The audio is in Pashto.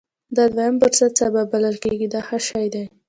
دا دوهم فرصت سبا بلل کېږي دا ښه شی دی.